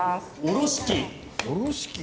おろし器？